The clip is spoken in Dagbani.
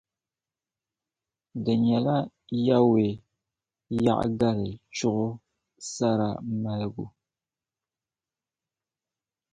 di nyɛla Yawɛ Yaɣigari chuɣu sara maligu.